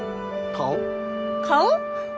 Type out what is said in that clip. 顔！